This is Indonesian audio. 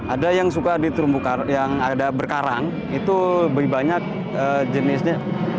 ada yang suka di terumbu karang yang ada berkarang itu lebih banyak jenisnya